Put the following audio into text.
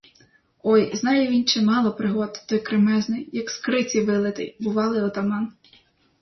Ой, знає він чимало пригод, той кремезний, як з криці вилитий, бувалий отаман.